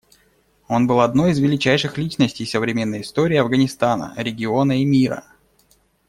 Он был одной из величайших личностей современной истории Афганистана, региона и мира.